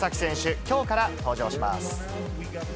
きょうから登場します。